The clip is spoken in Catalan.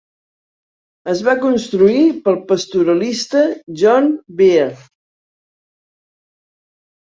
Es va construir pel pastoralista John Bear.